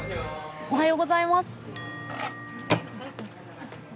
おはようございます。